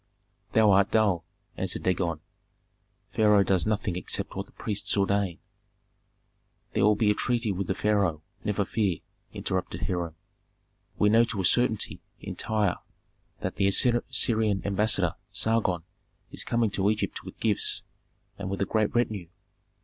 "Thou art dull!" answered Dagon. "Pharaoh does nothing except what the priests ordain." "There will be a treaty with the pharaoh, never fear!" interrupted Hiram. "We know to a certainty in Tyre that the Assyrian ambassador Sargon is coming to Egypt with gifts and with a great retinue.